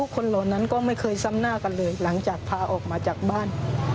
คนเหล่านั้นก็ไม่เคยซ้ำหน้ากันเลยหลังจากพาออกมาจากบ้าน